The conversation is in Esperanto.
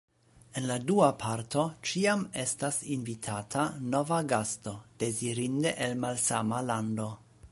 En la dua parto ĉiam estas invitata nova gasto, dezirinde el malsama lando.